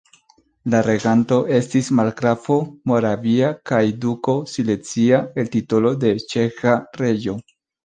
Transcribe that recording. La reganto estis margrafo moravia kaj duko silezia el titolo de ĉeĥa reĝo.